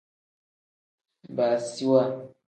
Baasiwa.